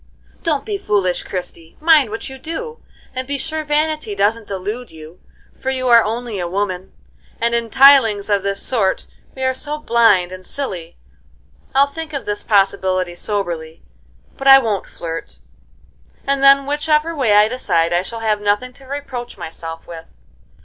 "Don't be foolish, Christie! Mind what you do, and be sure vanity doesn't delude you, for you are only a woman, and in things of this sort we are so blind and silly. I'll think of this possibility soberly, but I won't flirt, and then which ever way I decide I shall have nothing to reproach myself with."